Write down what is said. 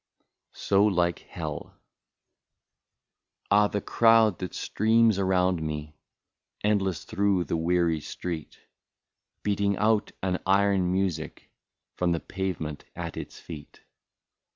164 so LIKE HELL. Ah ! the crowd that streams around me, Endless through the weary street, Beating out an iron music From the pavement at its feet.